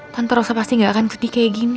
tante rosa pasti gak akan jadi kayak gini